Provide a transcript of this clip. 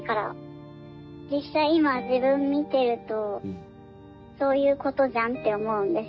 実際今自分見てるとそういうことじゃんって思うんですよね。